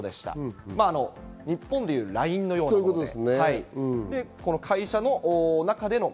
日本でいうＬＩＮＥのようなものです。